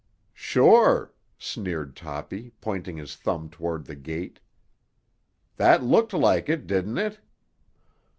"Sure," sneered Toppy, pointing his thumb toward the gate. "That looked like it, didn't it?"